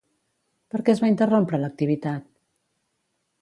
Per què es va interrompre l'activitat?